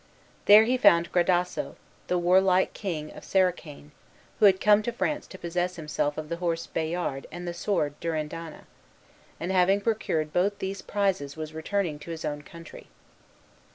There he found Gradasso, the warlike king of Sericane, who had come to France to possess himself of the horse Bayard and the sword Durindana; and having procured both these prizes was returning to his own country.